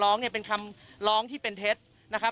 ก็ตอบได้คำเดียวนะครับ